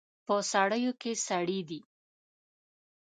په سړیو کې سړي دي